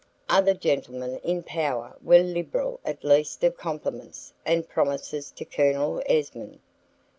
Other gentlemen in power were liberal at least of compliments and promises to Colonel Esmond.